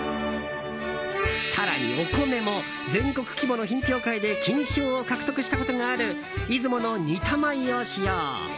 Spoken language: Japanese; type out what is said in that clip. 更に、お米も全国規模の品評会で金賞を獲得したことがある出雲の仁多米を使用。